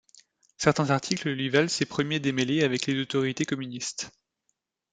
Certains articles lui valent ses premiers démêlés avec les autorités communistes.